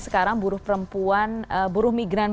sekarang buru perempuan buru migran